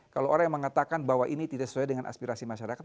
kalau orang yang mengatakan bahwa ini tidak sesuai dengan aspirasi masyarakat